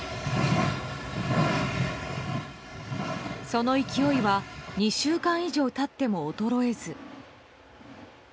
その勢いは２週間以上経っても衰えず。